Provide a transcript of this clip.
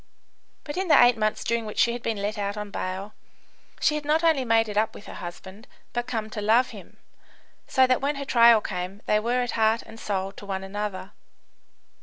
But in the eight months during which she had been let out on bail, she had not only made it up with her husband, but come to love him, so that when her trial came they were heart and soul to one another.